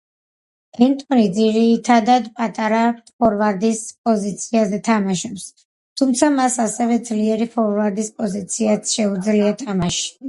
ენტონი ძირითადა პატარა ფორვარდის პოზიციაზე თამაშობს, თუმცა მას ასევე ძლიერი ფორვარდის პოზიციაზეც შეუძლია თამაში.